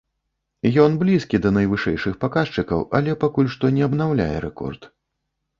Ён блізкі да найвышэйшых паказчыкаў, але пакуль што не абнаўляе рэкорд.